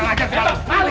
ngajar sama malik